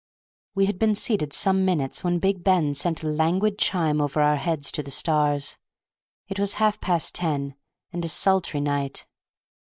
We had been seated some minutes when Big Ben sent a languid chime over our heads to the stars. It was half past ten, and a sultry night.